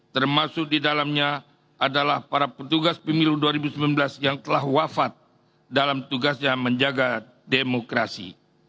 termasuk di dalamnya adalah para petugas pemilu dua ribu sembilan belas yang telah wafat dalam tugasnya menjaga demokrasi